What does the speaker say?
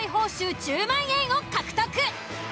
１０万円を獲得。